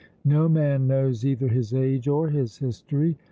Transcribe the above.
No man knows either his age or his history.